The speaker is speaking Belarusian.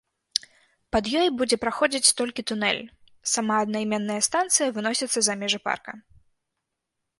Пад ёй будзе праходзіць толькі тунэль, сама аднайменная станцыя выносіцца за межы парка.